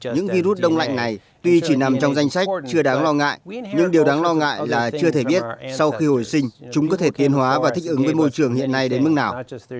những virus đông lạnh này tuy chỉ nằm trong danh sách chưa đáng lo ngại nhưng điều đáng lo ngại là chưa thể biết sau khi hồi sinh chúng có thể tiên hóa và thích ứng với môi trường hiện nay đến mức nào